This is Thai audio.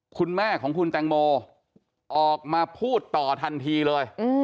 คุณแม่ของคุณแตงโมออกมาพูดต่อทันทีเลย